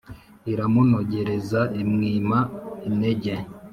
iramunogereza imwima inenge.